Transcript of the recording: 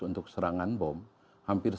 untuk serangan bom hampir